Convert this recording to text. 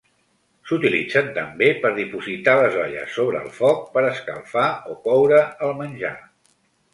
S'utilitzen també per dipositar les olles sobre el foc per escalfar o coure el menjar.